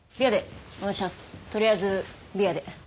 取りあえずビアで。